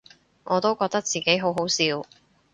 我都覺得自己好好笑